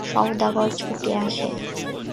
সওদাগর ছুটে আসে।